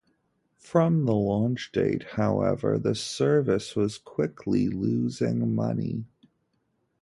From the launch date, however, the service was quickly losing money.